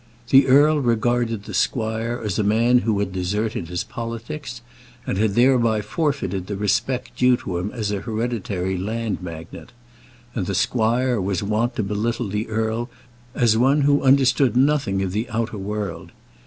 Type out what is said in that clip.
The earl regarded the squire as a man who had deserted his politics, and had thereby forfeited the respect due to him as an hereditary land magnate; and the squire was wont to be little the earl as one who understood nothing of the outer world.